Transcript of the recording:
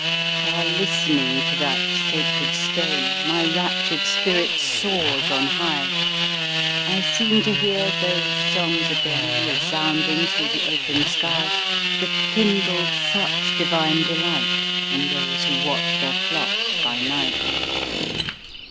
While listening to that sacred strain, My raptured spirit soars on high; I seem to hear those songs again Resounding through the open sky, That kindled such divine delight, In those who watched their flocks by night.